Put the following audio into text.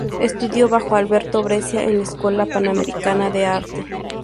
Estudió bajo Alberto Breccia en la Escuela Panamericana de Arte.